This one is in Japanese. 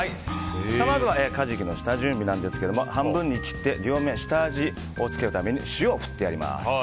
まずはカジキの下準備ですが半分に切って両面下味を付けるために塩を振ってあります。